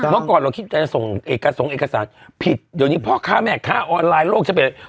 เมื่อก่อนเราคิดจะส่งเอกสารผิดเดี๋ยวนี้พ่อค้าแม่ค่าออนไลน์โลกเฉพาะ